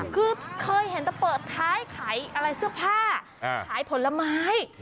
คือเคยเปิดท้ายขายเสื้อผ้าขายผลไม้